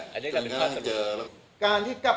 แต่เจ้าตัวก็ไม่ได้รับในส่วนนั้นหรอกนะครับ